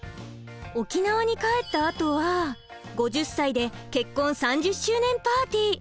沖縄に帰ったあとは５０歳で結婚３０周年パーティー。